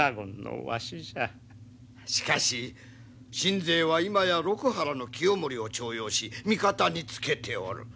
しかし信西は今や六波羅の清盛を重用し味方につけておる。